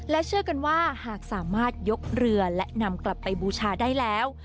เชื่อกันว่าหากสามารถยกเรือและนำกลับไปบูชาได้แล้ว